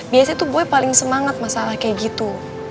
biasanya tuh gue paling semangat masalah kayak gitu